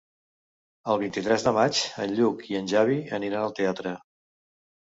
El vint-i-tres de maig en Lluc i en Xavi aniran al teatre.